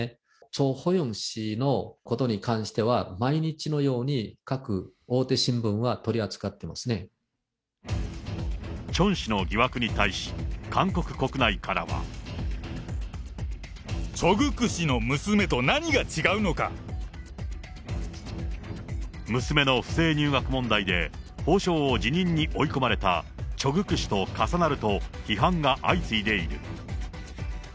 チョン・ホヨン氏のことに関しては、毎日のように各大手新聞は取チョン氏の疑惑に対し、韓国チョ・グク氏の娘と何が違う娘の不正入学問題で、法相を辞任に追い込まれたチョ・グク氏と重なると、批判が相次いでいる。